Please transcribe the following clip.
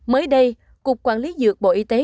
mới đây cục quản lý dược bộ y tế